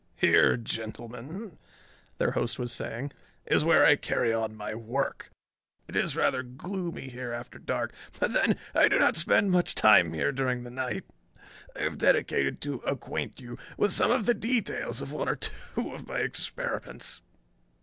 "Here, gentlemen," their host was saying, "is where I carry on my work. It is rather gloomy here after dark, but then I do not spend much time here during the night. I have decided to acquaint you with some of the details of one or two of my experiments.